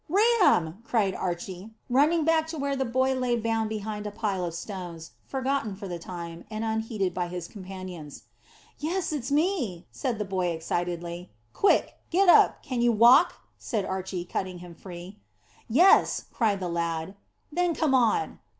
"Ram!" cried Archy, running back to where the boy lay bound behind a pile of stones, forgotten for the time, and unheeded by his companions. "Yes, it's me," said the boy excitedly. "Quick! Get up. Can you walk?" said Archy, cutting him free. "Yes," cried the lad. "Then come on!"